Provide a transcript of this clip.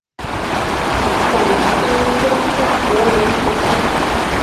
广东中加柏仁学校。